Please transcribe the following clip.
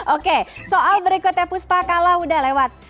oke soal berikutnya puspa kalau udah lewat